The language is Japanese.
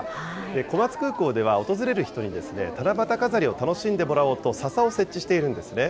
小松空港では、訪れる人に七夕飾りを楽しんでもらおうと、ささを設置しているんですね。